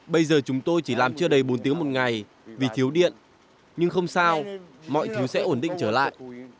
bây giờ chúng tôi chỉ làm chưa đầy bốn tiếng một ngày vì thiếu điện nhưng không sao mọi thứ sẽ ổn định trở lại